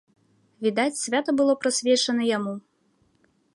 Відаць, свята было прысвечана яму.